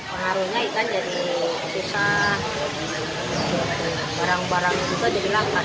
pengaruhnya ikan jadi susah barang barang juga jadi langka